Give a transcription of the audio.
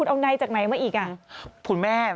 รหัสรับอะไรของคุณ